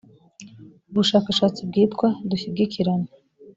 ubushakashatsi bwitwa dushyigikirane